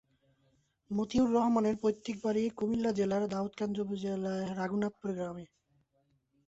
মতিউর রহমানের পৈতৃক বাড়ি কুমিল্লা জেলার দাউদকান্দি উপজেলার রঘুনাথপুর গ্রামে।